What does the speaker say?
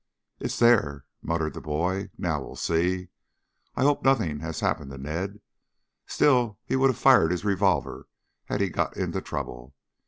"It's there," muttered the boy. "Now we'll see. I hope nothing has happened to Ned. Still, he would have fired his revolver had he got into trouble.